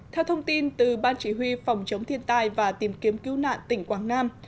theo thông tin từ ban chỉ huy phòng chống thiên tai và tìm kiếm cứu nạn tỉnh quảng nam